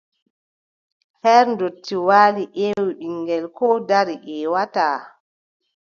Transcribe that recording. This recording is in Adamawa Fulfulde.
Her ndotti waali ƴeewi, ɓiŋngel koo dari ƴeewataa.